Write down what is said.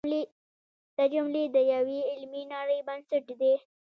دا جملې د یوې علمي نړۍ بنسټ دی.